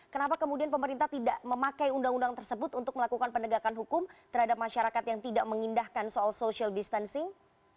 kenapa kemudian pemerintah tidak memakai undang undang tersebut untuk melakukan penegakan hukum terhadap masyarakat yang tidak mengindahkan soal social distancing